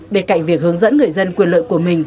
bên cạnh việc hướng dẫn người dân quyền lợi của mình